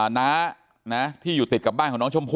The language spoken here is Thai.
น้าที่อยู่ติดกับบ้านของน้องชมพู่